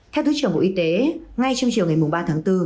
theo thứ trưởng bộ y tế ngay trong chiều ngày ba tháng bốn